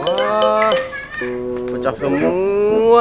wah pecah semua